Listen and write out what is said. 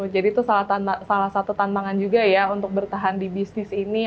jadi itu salah satu tantangan juga ya untuk bertahan di bisnis ini